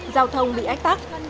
giao thông bị ách tắc